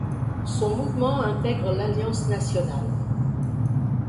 Son mouvement intègre l'Alliance nationale.